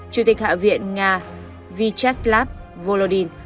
chủ tịch hạ viện nga vyacheslav volodin